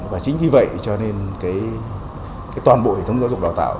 và chính vì vậy cho nên toàn bộ hệ thống giáo dục đào tạo